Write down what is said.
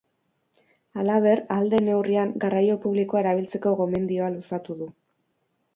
Halaber, ahal den neurrian garraio publikoa erabiltzeko gomendioa luzatu du.